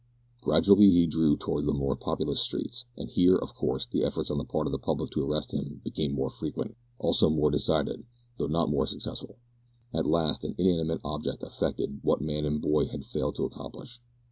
Gradually he drew towards the more populous streets, and here, of course, the efforts on the part of the public to arrest him became more frequent, also more decided, though not more successful. At last an inanimate object effected what man and boy had failed to accomplish.